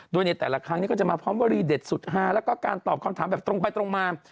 โดยในแต่ละครั้งนี้ก็จะมาพร้อมวรีเด็ดสุดฮาแล้วก็การตอบคำถามแบบตรงไปตรงมา